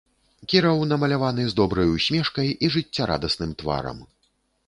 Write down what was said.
Кіраў намаляваны з добрай усмешкай і жыццярадасным тварам.